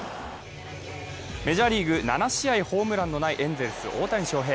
メジャーリーグ７試合ホームランのないエンゼルス・大谷翔平。